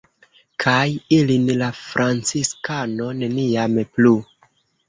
Kaj ilin la franciskano neniam plu!